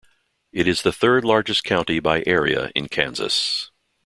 It is the third-largest county by area in Kansas.